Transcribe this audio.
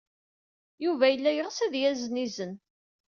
Yuba yella yeɣs ad yazen izen.